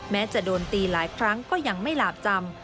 แม้จะโดนตีหลายครั้งก็ยังไม่หลาบจำ